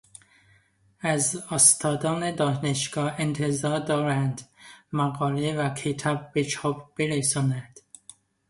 از استادان دانشگاه انتظار دارند مقاله و کتاب به چاپ برسانند.